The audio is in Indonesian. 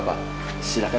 nggak di depan